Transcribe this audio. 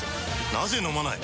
なぜ飲まない？